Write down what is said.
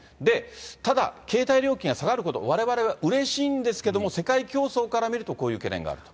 ただ、携帯料金が下がること、うれしいんですけども、世界競争から見るとこういう懸念があると。